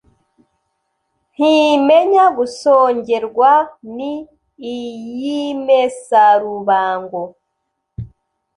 Ntimenya gusongerwaNi iy' Imesarubango :